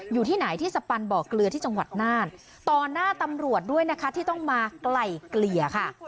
อยู่ที่ไหนที่สปันบ่อเกลือที่จังหวัดน่านต่อหน้าตำรวจด้วยนะคะที่ต้องมาไกล่เกลี่ยค่ะ